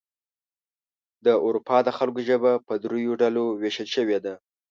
د اروپا د خلکو ژبه په دریو ډلو ویشل شوې ده.